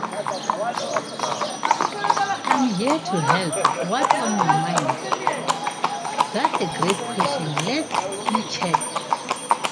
The nest material is collected by the male while the female builds the nest.